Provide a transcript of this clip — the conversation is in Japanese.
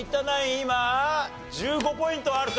今１５ポイントあるか。